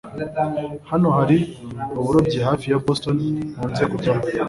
hano hari uburobyi hafi ya boston nkunze kujyamo